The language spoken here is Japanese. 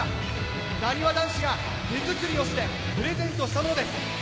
なにわ男子が手作りしてプレゼントしたものです。